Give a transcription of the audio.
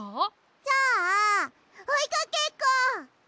じゃあおいかけっこ。